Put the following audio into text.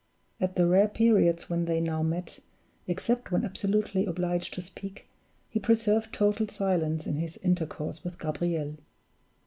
At the rare periods when they now met, except when absolutely obliged to speak, he preserved total silence in his intercourse with Gabriel.